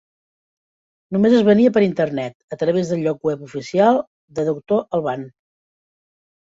Només es venia per Internet, a través del lloc web oficial de Doctor Alban.